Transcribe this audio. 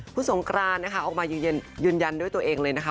คุณสงกรานนะคะออกมายืนยันด้วยตัวเองเลยนะคะ